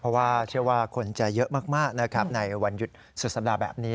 เพราะว่าเชื่อว่าคนจะเยอะมากนะครับในวันหยุดสุดสัปดาห์แบบนี้